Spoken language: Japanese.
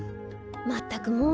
まったくもう。